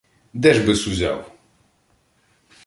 — Де ж би-с узяв?